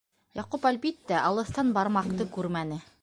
Яҡуп, әлбиттә, алыҫтан бармаҡты күрмәне.